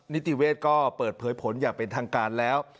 นิติเวศก็เปิดเผยผลอย่างเป็นทางการแล้ว